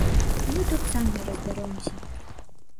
Мы тут самі разбяромся.